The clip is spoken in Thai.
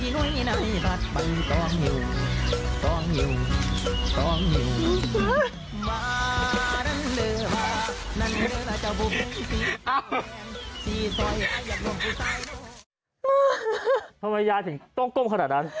ทำไมยายถึงต้องก้มขนาดนั้น